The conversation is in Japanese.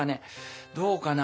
「どうかな？